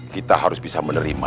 kita harus bisa menerima